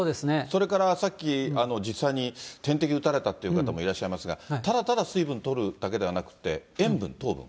それからさっき、実際に点滴打たれたって方もいらっしゃいますが、ただただ水分とるだけではなくて、塩分、糖分？